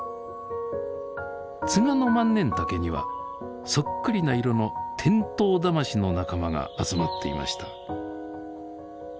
ツガノマンネンタケにはそっくりな色のテントウダマシの仲間が集まっていました。